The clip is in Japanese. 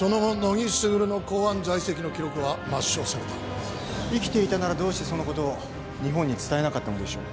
木卓の公安在籍の記録は抹消された生きていたならどうしてそのことを日本に伝えなかったのでしょう？